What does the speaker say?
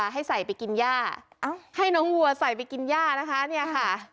ให้ใส่ไปกินย่าให้น้องวัวใส่ไปกินย่านะคะเนี่ยค่ะ